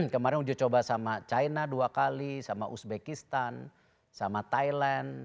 kemarin uji coba sama china dua kali sama uzbekistan sama thailand